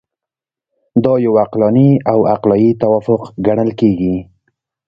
دا یو عقلاني او عقلایي توافق ګڼل کیږي.